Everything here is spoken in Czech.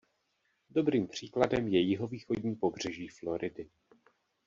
Dobrým příkladem je jihovýchodní pobřeží Floridy.